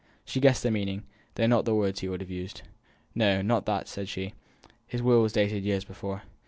She guessed the meaning, though not the word he would have used. "No, not that," said she; "his will was dated years before.